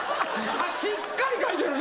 しっかり書いてるな。